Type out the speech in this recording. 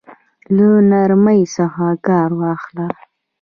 له نرمۍ څخه كار واخله!